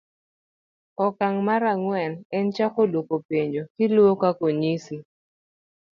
oka'ng mar ang'wen en chako dwoko penjo kiluo kaka onyisi.